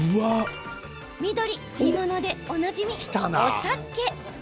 緑、煮物でおなじみ、お酒。